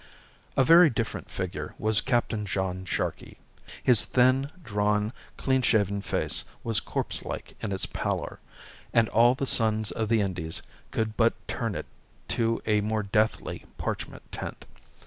A very different figure was Captain John Sharkey. His thin, drawn, clean shaven face was corpse like in its pallor, and all the suns of the Indies could but turn it to a more deathly parchment tint.